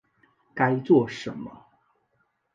该做什么